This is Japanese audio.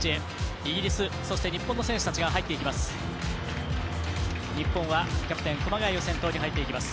イギリス、そして日本の選手たちが入っていきます。